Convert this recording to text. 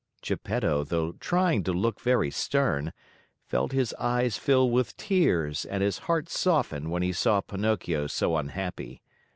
Geppetto, though trying to look very stern, felt his eyes fill with tears and his heart soften when he saw Pinocchio so unhappy.